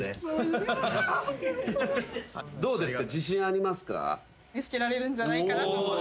どうですか？